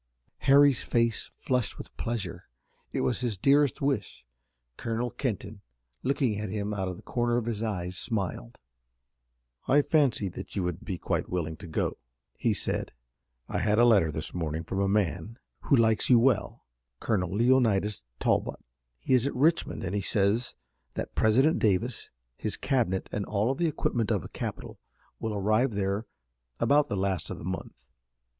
Harry's face flushed with pleasure. It was his dearest wish. Colonel Kenton, looking at him out of the corner of his eyes, smiled. "I fancied that you would be quite willing to go," he said. "I had a letter this morning from a man who likes you well, Colonel Leonidas Talbot. He is at Richmond and he says that President Davis, his cabinet, and all the equipment of a capital will arrive there about the last of the month.